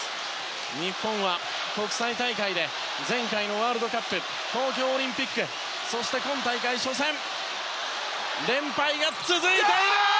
日本は国際大会で前回のワールドカップ東京オリンピックそして今大会初戦連敗が続いた。